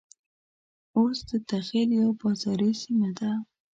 اوس دته خېل يوه بازاري سيمه ده.